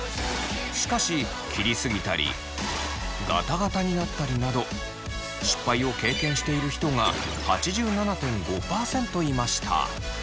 しかし切りすぎたりガタガタになったりなど失敗を経験している人が８７．５％いました。